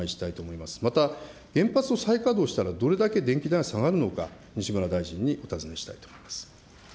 また、原発を再稼働したらどれだけ電気代が下がるのか、西村大臣にお尋ねしたいと思います。